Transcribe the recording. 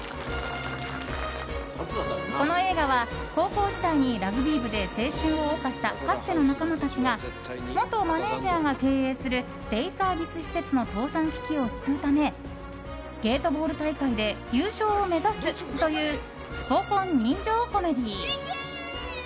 この映画は高校時代にラグビー部で青春を謳歌したかつての仲間たちが元マネジャーが経営するデイサービス施設の倒産危機を救うためゲートボール大会で優勝を目指すというスポ根人情コメディー。